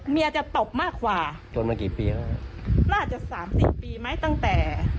เมียจะตบมากกว่าจนมากี่ปีแล้วฮะน่าจะสามสิบปีไหมตั้งแต่